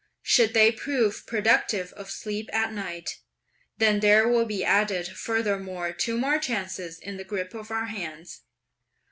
Should they prove productive of sleep at night, then there will be added furthermore two more chances in the grip of our hands.